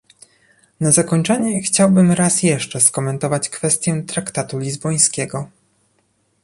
Na zakończenie chciałbym raz jeszcze skomentować kwestię traktatu lizbońskiego